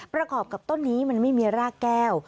ประกอบกับต้นนี้มันไม่มีรากแก้ว